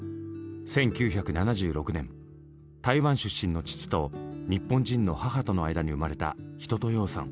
１９７６年台湾出身の父と日本人の母との間に生まれた一青窈さん。